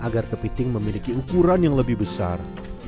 agar kepiting memiliki ukuran yang lebih besar